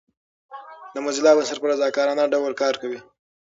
د موزیلا بنسټ په رضاکارانه ډول کار کوي.